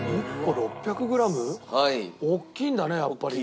大きいんだねやっぱりね。